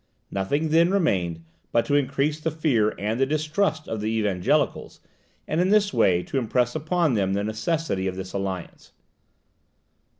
Nothing then remained but to increase the fear and the distrust of the Evangelicals, and in this way to impress upon them the necessity of this alliance.